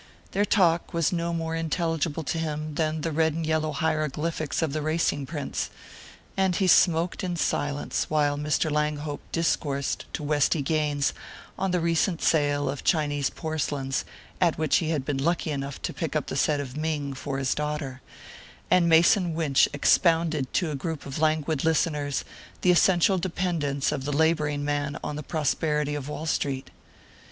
Their talk was no more intelligible to him than the red and yellow hieroglyphics of the racing prints, and he smoked in silence while Mr. Langhope discoursed to Westy Gaines on the recent sale of Chinese porcelains at which he had been lucky enough to pick up the set of Ming for his daughter, and Mason Winch expounded to a group of languid listeners the essential dependence of the labouring man on the prosperity of Wall Street.